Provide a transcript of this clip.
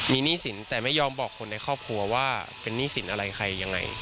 มีหนี้สินแต่ไม่ยอมบอกคนในครอบครัวว่าเป็นหนี้สินอะไรใครยังไง